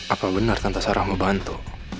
apa benar tante sarah mau bantu